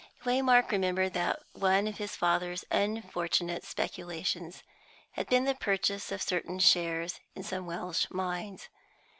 Waymark remembered that one of his father's unfortunate speculations had been the purchase of certain shares in some Welsh mines.